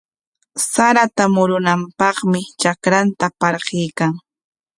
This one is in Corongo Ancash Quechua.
Sarata murunanpaqmi trakranta parquykan.